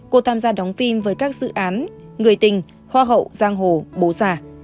cô tham gia đóng phim với các dự án người tình hoa hậu giang hồ bố già